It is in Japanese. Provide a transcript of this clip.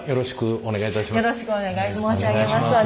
お願いいたします。